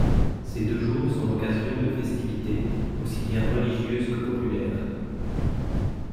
Ces deux jours sont l’occasion de festivités aussi bien religieuses que populaires.